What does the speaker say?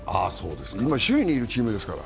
今、首位にいるチームですから。